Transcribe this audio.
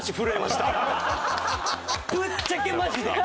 ぶっちゃけマジで。